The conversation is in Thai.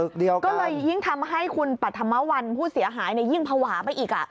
ก็เลยยิ่งทำให้คุณปรัฐมวัลผู้เสียหายยิ่งภาวะไปอีก